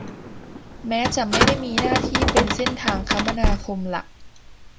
แม้จะไม่ได้มีหน้าที่เป็นเส้นทางคมนาคมหลัก